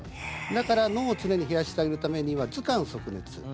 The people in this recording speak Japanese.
だから脳を常に冷やしてあげるためには頭寒足熱。